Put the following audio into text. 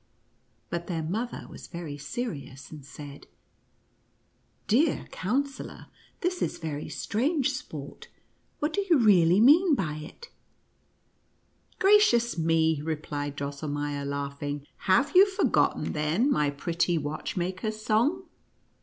But their mother was very serious, and said, " Dear Counsellor, this is very strange sport — what do you really mean by it V " Gracious me," replied Drosselmeier, laugh ing, " have you forgotten then my pretty watch 54 NUTCRACKER AND MOUSE KING. maker's song